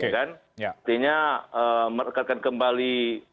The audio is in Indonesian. intinya merekatkan kembali